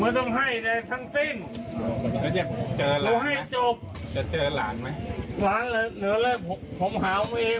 รู้บอกได้ไหมผมบอกไม่ได้แต่ผมหาจนรู้ไง